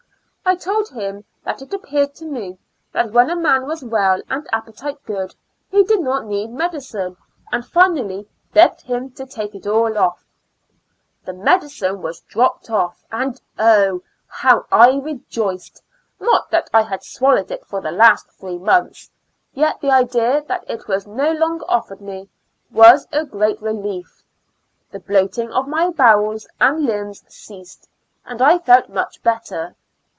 I told him that it appeared to me that when a man was well and appetite good, he did not need medicine; and finally begged him to take it all ofi". The medicine was dropped off, and oh! how I rejoiced, not that I had swallowed it for the last three months, yet the idea that it IQQ Two Years and Fo ur Months was no lonsrer offered me was a orreat relief. The bloating of my bowels and limbs ceas ed, and I felt much better.